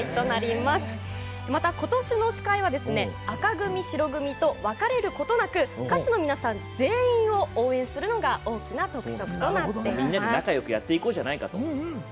また、今年の司会は紅組、白組と分かれることなく歌手の皆さん全員を応援するのが大きな特色です。